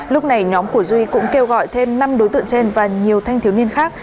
lúc này nhóm của duy cũng kêu gọi thêm năm đối tượng trên và nhiều thanh thiếu niên khác